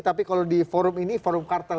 tapi kalau di forum ini forum kartel